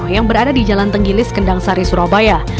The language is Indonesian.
yang berada di jalan tenggili skendang sari surabaya